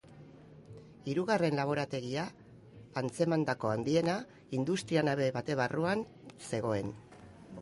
Hirugarren laborategia, antzemandako handiena, industria-nabe baten barruan zegoen.